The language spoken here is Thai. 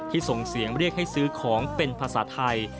ส่งเสียงเรียกให้ซื้อของเป็นภาษาไทย